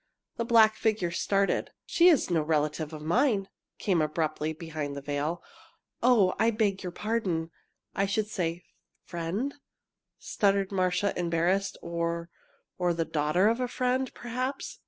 The black figure started. "She is no relative of mine!" came abruptly from behind the veil. "Oh, I beg your pardon, I should say friend," stuttered Marcia, embarrassed, "or or the daughter of a friend, perhaps."